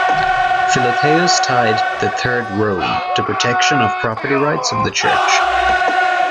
Philotheus tied the "Third Rome" to protection of property rights of the church.